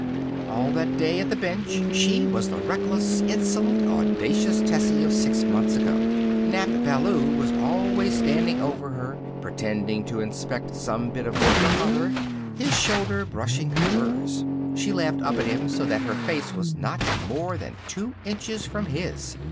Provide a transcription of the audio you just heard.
All that day, at the bench, she was the reckless, insolent, audacious Tessie of six months ago. Nap Ballou was always standing over her, pretending to inspect some bit of work or other, his shoulder brushing hers. She laughed up at him so that her face was not more than two inches from his.